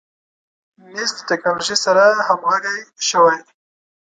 مېز د تکنالوژۍ سره همغږی شوی.